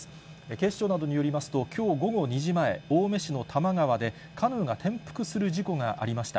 警視庁などによりますと、きょう午後２時前、青梅市の多摩川で、カヌーが転覆する事故がありました。